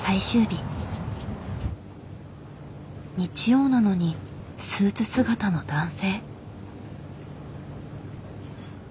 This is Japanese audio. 日曜なのにスーツ姿の男性。